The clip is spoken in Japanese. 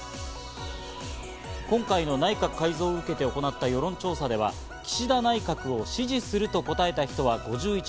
今回の内閣改造を受けて行った世論調査では岸田内閣を支持すると答えた人は５１％。